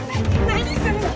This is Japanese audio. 何するの！